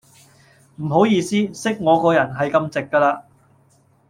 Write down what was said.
唔好意思,識我個人係咁直架啦.